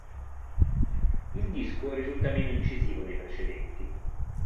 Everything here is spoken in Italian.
Il disco risulta meno incisivo dei precedenti.